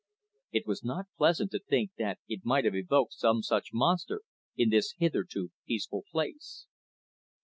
It was not pleasant to think that it might have evoked some such monster in this hitherto peaceful place.